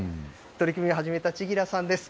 取り組みを始めた千吉良さんです。